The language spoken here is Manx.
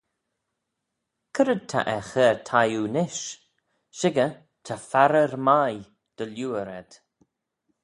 C'red ta er chur thie oo nish? Shickyr, va farrer mie dy liooar ayd!